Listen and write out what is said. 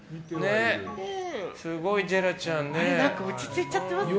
すごい、ジェラちゃんね。